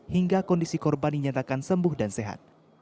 hingga kondisi korban dinyatakan sembuh dan sehat